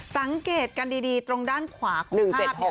สังเกตกันดีตรงด้านขวาของภาพนี้